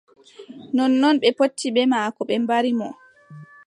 Nonnon ɓe potti bee maako ɓe mbari mo.